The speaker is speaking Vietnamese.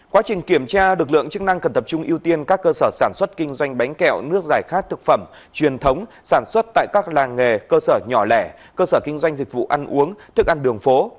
quá trình kiểm tra lực lượng chức năng cần tập trung ưu tiên các cơ sở sản xuất kinh doanh bánh kẹo nước giải khát thực phẩm truyền thống sản xuất tại các làng nghề cơ sở nhỏ lẻ cơ sở kinh doanh dịch vụ ăn uống thức ăn đường phố